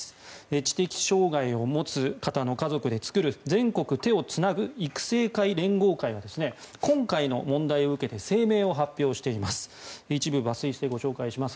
知的障害者を持つ方の家族で作る全国手をつなぐ育成会連合会は今回の問題を受けて声明を発表しています。